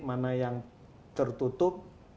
mana yang tertutup